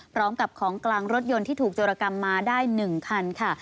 พร้อมกับของกลางรถยนต์ที่ถูกโจรกรรมมาได้๑คันค่ะ